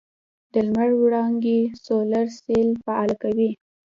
د لمر وړانګې سولر سیل فعاله کوي.